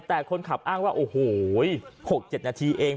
แต่คนขับอ้างว่าโอ้โห๖๗นาทีเอง